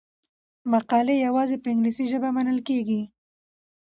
مقالې یوازې په انګلیسي ژبه منل کیږي.